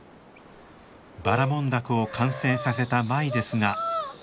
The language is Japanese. ばらもん凧を完成させた舞ですが。